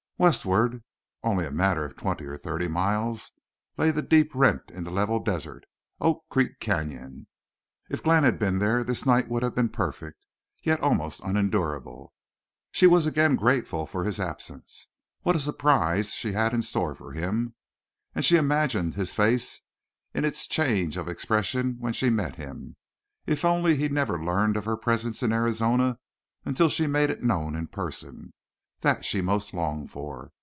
Westward, only a matter of twenty or thirty miles, lay the deep rent in the level desert—Oak Creek Canyon. If Glenn had been there this night would have been perfect, yet almost unendurable. She was again grateful for his absence. What a surprise she had in store for him! And she imagined his face in its change of expression when she met him. If only he never learned of her presence in Arizona until she made it known in person! That she most longed for.